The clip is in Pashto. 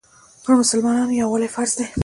پر مسلمانانو یووالی فرض دی.